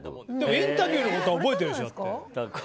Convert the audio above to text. インタビューのことは覚えてるでしょ？